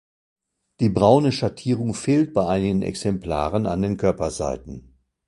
Die braune Schattierung fehlt bei einigen Exemplaren an den Körperseiten.